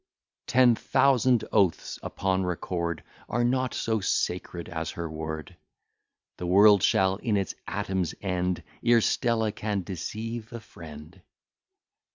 Ten thousand oaths upon record Are not so sacred as her word: The world shall in its atoms end, Ere Stella can deceive a friend.